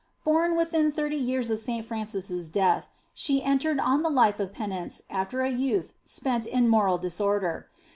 Born within thirty years of St. Francis death, she entered on the life of penance after a youth passed in moral disorder.